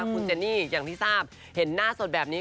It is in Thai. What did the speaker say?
คุณเจนี่อย่างที่ทราบเห็นหน้าสดแบบนี้